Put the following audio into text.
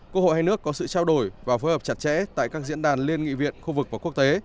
quốc hội hai nước có sự trao đổi và phối hợp chặt chẽ tại các diễn đàn liên nghị viện khu vực và quốc tế